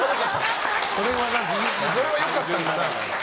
それは良かったんだ。